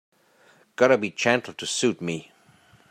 Gotta be gentle to suit me.